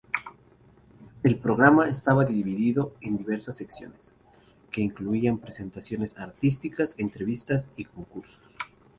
El programa estaba dividido en diversas secciones, que incluían presentaciones artísticas, entrevistas y concursos.